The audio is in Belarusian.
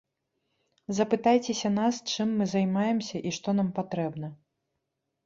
Запытайцеся нас, чым мы займаемся і што нам патрэбна.